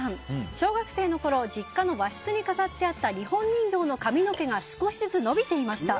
小学生のころ実家の和室に飾ってあった日本人形の髪の毛が少しずつ伸びていました。